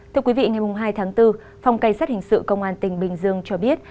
thưa quý vị ngày hai tháng bốn phòng cảnh sát hình sự công an tỉnh bình dương cho biết